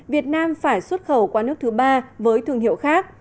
việt nam phải xuất khẩu qua nước thứ ba với thương hiệu khác